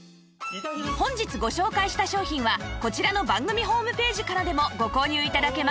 本日ご紹介した商品はこちらの番組ホームページからでもご購入頂けます